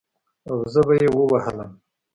او زه به يې ووهلم.